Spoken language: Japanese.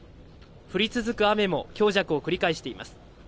降り続く雨も強弱を繰り返しています。